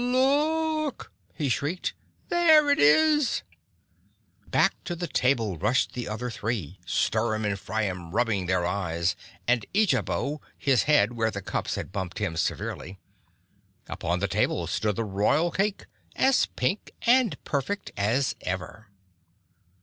"Look!" he shrieked. "There it is!" Back to the table rushed the other three, Stirem and Friem rubbing their eyes and Eejabo his head where the cups had bumped him severely. Upon the table stood the royal cake, as pink and perfect as ever.